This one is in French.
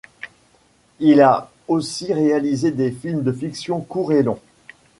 Il a aussi réalisé des films de fiction courts et longs.